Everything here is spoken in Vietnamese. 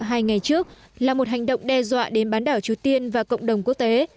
hai ngày trước là một hành động đe dọa đến bán đảo triều tiên và cộng đồng quốc tế